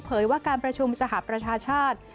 ว่าการประชุมสหประชาชาติ